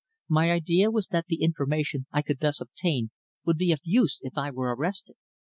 My idea was that the information I could thus obtain would be of use if I were arrested.